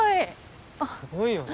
すごいよね。